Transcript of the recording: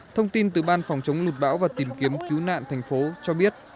thông tin từ ban phòng chống lụt bão và tìm kiếm cứu nạn thành phố cho biết